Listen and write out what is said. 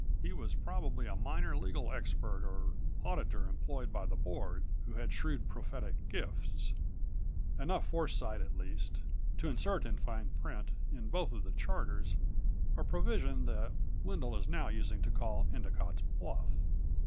He was probably a minor legal expert or auditor employed by the Board, who had shrewd prophetic gifts ... enough foresight, at least ... to insert in fine print in both of the charters a provision that Wendel is now using to call Endicott's bluff.